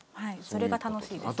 それが楽しいです。